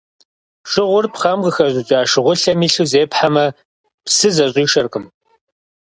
Шыгъур пхъэм къыхэщӀыкӀа шыгъулъэм илъу зепхьэмэ, псы зыщӀишэркъым.